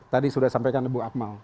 tadi sudah sampaikan bu akmal